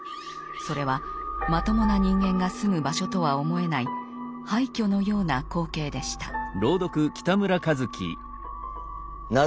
それはまともな人間が住む場所とは思えない廃墟のような光景でした。